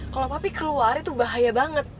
kalau tapi keluar itu bahaya banget